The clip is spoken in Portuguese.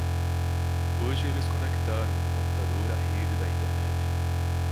Hoje eles conectaram o computador à rede da Internet.